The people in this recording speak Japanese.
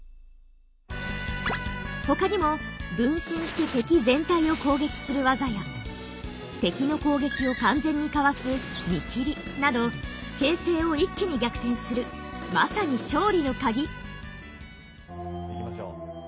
他にも分身して敵全体を攻撃する技や敵の攻撃を完全にかわす「見切り」など形勢を一気に逆転するまさに勝利のカギ！いきましょう。